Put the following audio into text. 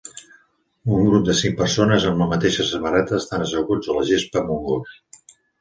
Un grup de cinc persones amb la mateixa samarreta estan asseguts a la gespa amb un gos.